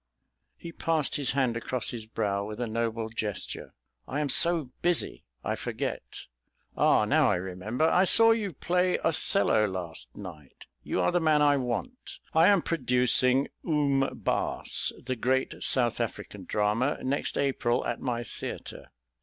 He passed his hand across his brow with a noble gesture. "I am so busy I forget. Ah, now I remember. I saw you play Othello last night. You are the man I want. I am producing 'Oom Baas,' the great South African drama, next April, at my theatre.